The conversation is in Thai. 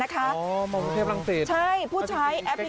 อ๋อกรุงรังสิทธิ์